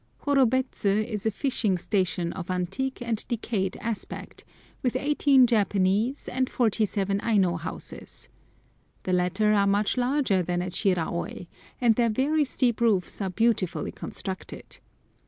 Horobets is a fishing station of antique and decayed aspect, with eighteen Japanese and forty seven Aino houses. The latter are much larger than at Shiraôi, and their very steep roofs are beautifully constructed.